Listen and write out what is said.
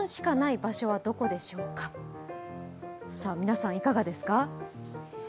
皆さん、いかがですか？